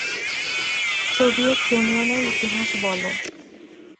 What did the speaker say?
Soviet ইউনিয়নের ইতিহাস বলো।